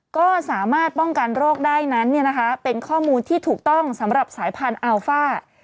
ก็สามารถป้องกันโรคได้นั้นเป็นข้อมูลที่ถูกต้องสำหรับสายพันธุ์อัลฟ่า